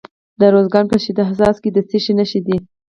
د ارزګان په شهید حساس کې د څه شي نښې دي؟